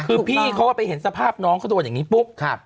คือพี่เขาก็ไปเห็นสภาพน้องเขาโดนอย่างนี้ปุ๊บ